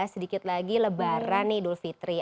sedikit lagi lebaran nih dul fitri